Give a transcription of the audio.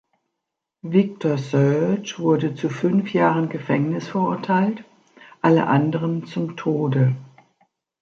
Victor Serge wurde zu fünf Jahren Gefängnis verurteilt, alle anderen zum Tode.